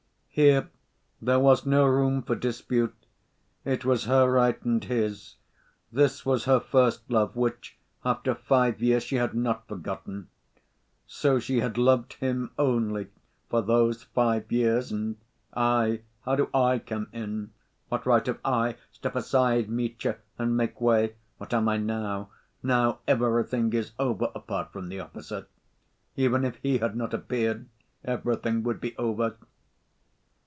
"Here there was no room for dispute: it was her right and his; this was her first love which, after five years, she had not forgotten; so she had loved him only for those five years, and I, how do I come in? What right have I? Step aside, Mitya, and make way! What am I now? Now everything is over apart from the officer—even if he had not appeared, everything would be over